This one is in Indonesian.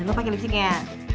dan lo pake lipstiknya